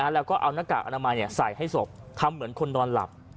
แล้วก็เอาหน้ากากอนามัยใส่ให้ศพทำเหมือนคนนอนหลับ